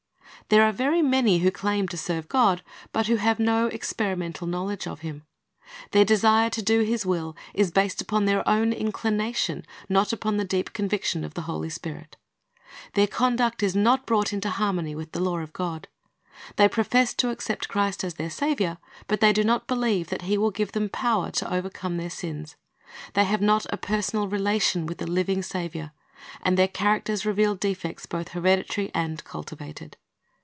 "^ There are very many who claim to serve God, but who have no experimental knowledge of Him. Their desire to do His will is based upon their own inclination, not upon the deep conviction of the Holy Spirit. Their conduct is not brought into harmony with the law of God. They profess to accept Christ as their Saviour, but they do not believe that He will give them power to overcome their sins. They have not a personal relation with a living Saviour, and their characters reveal defects both hereditary and cultivated.